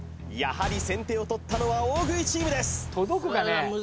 やはり先手を取ったのは大食いチームです